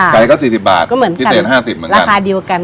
ใกล้ก็สี่สิบบาทก็เหมือนกันพิเศษห้าสิบเหมือนกันราคาเดียวกันค่ะ